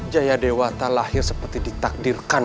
jaya dewata lahir seperti ditakdirkan